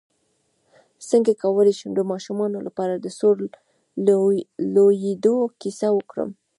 څنګه کولی شم د ماشومانو لپاره د سور لویدو کیسه وکړم